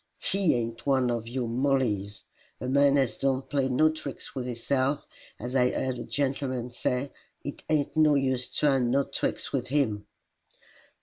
HE ain't one of your Mollies. A man as don't play no tricks with hisself, as I heerd a gentleman say, it ain't no use tryin' no tricks with HIM."